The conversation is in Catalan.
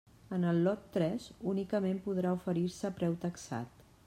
En el lot tres únicament podrà oferir-se preu taxat.